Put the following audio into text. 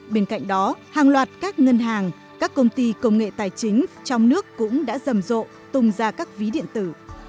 bên cạnh đó hàng loạt các ngân hàng các công ty công nghệ tài chính trong nước cũng đã rầm rộ tung ra các ví điện tử